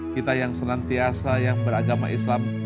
kita yang senantiasa yang beragama islam